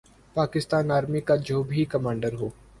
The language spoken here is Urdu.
پاکستان آرمی کا جو بھی کمانڈر ہو۔